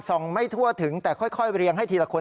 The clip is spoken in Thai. ไม่ทั่วถึงแต่ค่อยเรียงให้ทีละคน